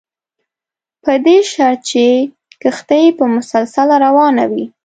په دې شرط چې کښتۍ به مسلسله روانه وي.